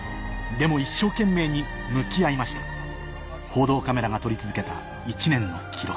でも一生懸命に向き合いました報道カメラが撮り続けた一年の記録